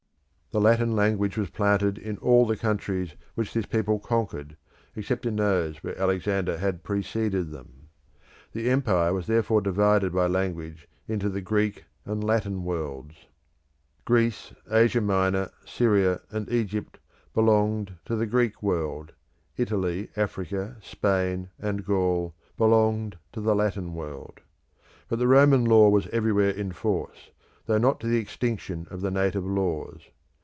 The Latin language was planted in all the countries which this people conquered, except in those where Alexander had preceded them. The empire was therefore divided by language into the Greek and Latin world. Greece, Asia Minor, Syria, and Egypt belonged to the Greek world: Italy, Africa, Spain, and Gaul belonged to the Latin world. But the Roman law was everywhere in force, though not to the extinction of the native laws.